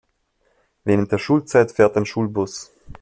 Während der Schulzeit fährt ein Schulbus.